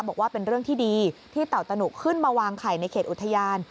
บอกว่าเป็นเรื่องที่ดีที่เต่าตะหนุขึ้นมาวางไข่ในเขตอุทยาน